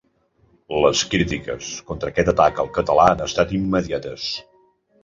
Les crítiques contra aquest atac al català han estat immediates.